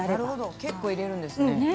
結構入れるんですね。